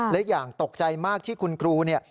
และอย่างตกใจมากที่คุณครูเนี่ย